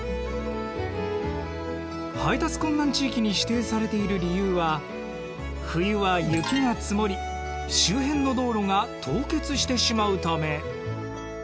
配達困難地域に指定されている理由は冬は雪が積もり周辺の道路が凍結してしまうため。